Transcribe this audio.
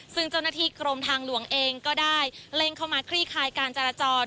ซึ่งเจ้าหน้าที่กรมทางหลวงเองก็ได้เร่งเข้ามาคลี่คลายการจราจร